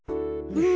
うん。